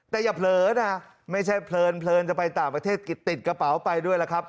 แต่อย่าเผลอนะไม่ใช่เพลินจะไปต่างประเทศติดกระเป๋าไปด้วยล่ะครับ